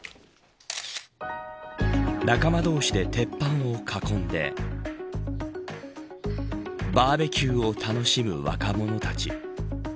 仲間同士で鉄板を囲んでバーベキューを楽しむ若者たち。